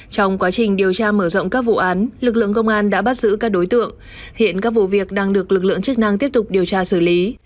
trong quá trình điều tra mở rộng các vụ án lực lượng công an đã bắt giữ các đối tượng hiện các vụ việc đang được lực lượng chức năng tiếp tục điều tra xử lý